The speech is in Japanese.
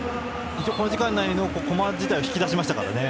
この時間内にここまで引き出しましたからね。